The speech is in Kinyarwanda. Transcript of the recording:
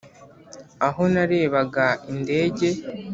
aho narebaga indege